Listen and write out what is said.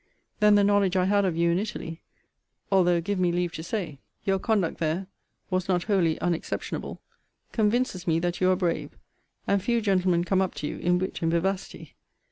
Then the knowledge I had of you in Italy (although, give me leave to say, your conduct there was not wholly unexceptionable) convinces me that you are brave: and few gentlemen come up to you in wit and vivacity.